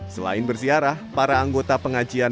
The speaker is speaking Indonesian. selain bersiarah para anggota pengajian